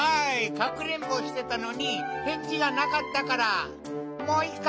かくれんぼしてたのにへんじがなかったから！